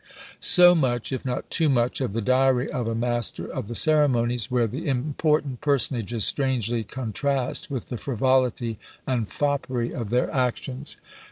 So much, if not too much, of the Diary of a Master of the Ceremonies; where the important personages strangely contrast with the frivolity and foppery of their actions.